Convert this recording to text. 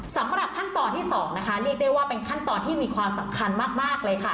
สำหรับขั้นตอนที่๒นะคะเรียกได้ว่าเป็นขั้นตอนที่มีความสำคัญมากเลยค่ะ